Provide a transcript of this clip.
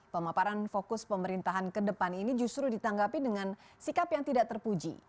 pemaparan fokus pemerintahan ke depan ini justru ditanggapi dengan sikap yang tidak terpuji